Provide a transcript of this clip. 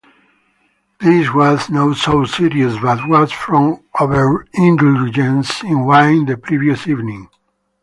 This was not so serious but was from overindulgence in wine the previous evening.